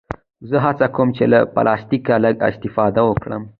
زه هڅه کوم چې له پلاستيکه لږ استفاده وکړم.